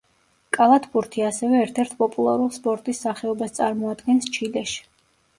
კალათბურთი ასევე ერთ-ერთ პოპულარულ სპორტის სახეობას წარმოადგენს ჩილეში.